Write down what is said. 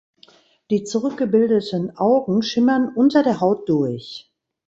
Die zurückgebildeten Augen schimmern unter der Haut durch.